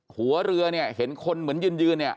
หัวเรือเนี่ยเห็นคนเหมือนยืนยืนเนี่ย